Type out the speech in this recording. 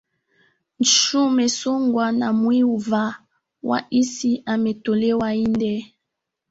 Nchu mesongwa na mwiva wa isi ametolewa inde